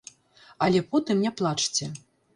Але потым не плачце.